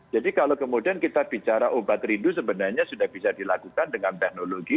jadi kalau kemudian kita bicara obat rindu sebenarnya sudah bisa dilakukan dengan teknologi